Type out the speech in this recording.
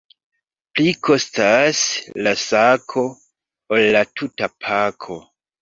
Pli kostas la sako, ol la tuta pako.